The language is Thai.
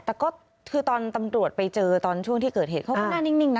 แต่ก็คือตอนตำรวจไปเจอตอนช่วงที่เกิดเหตุเขาก็หน้านิ่งนะ